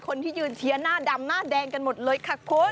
คนที่ยืนเชียร์หน้าดำหน้าแดงกันหมดเลยค่ะคุณ